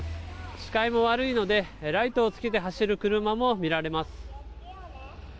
視界も悪いのでライトをつけて走る車も見られます。